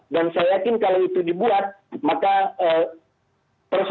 dan saya yakin kalau itu dibuat maka persoalan kita akan lebih jauh